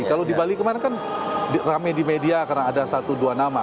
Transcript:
kalau di bali kemarin kan rame di media karena ada satu dua nama